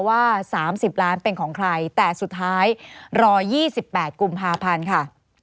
ว่า๓๐ล้านเป็นของใครแต่สุดท้ายรอ๒๘กุมภาพันธ์ค่ะ